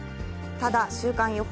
ただ週間予報。